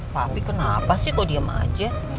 papi kenapa sih kok diem aja